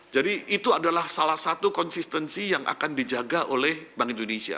jadi itu adalah salah satu konsistensi yang akan dijaga oleh bank indonesia